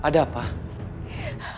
jadikan tips buka di deskripsi